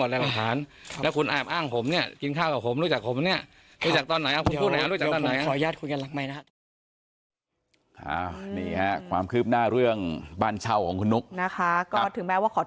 แล้วคุณอาจอ้างผมเนี่ยกินข้าวกับผมรู้จักผมเนี่ยรู้จักตอนไหนรู้จักตอนไหน